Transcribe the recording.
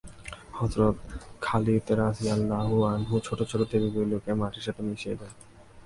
হযরত খালিদ রাযিয়াল্লাহু আনহু ছোট ছোট দেবীগুলোও মাটির সাথে মিশিয়ে দেন।